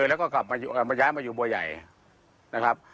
แล้วก็กลับมาย้ายมาอยู่บัวใหญ่นะครับ